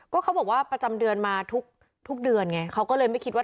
ก็เขาบอกว่าประจำเดือนมาทุกทุกเดือนไงเขาก็เลยไม่คิดว่า